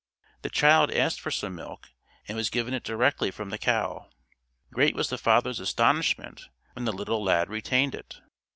The child asked for some milk and was given it directly from the cow. Great was the father's astonishment when the little lad retained it.